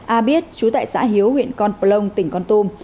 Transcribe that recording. a biết chú tại xã hiếu huyện con plông tỉnh con tum